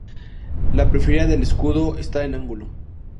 La periferia del escudo está en ángulo.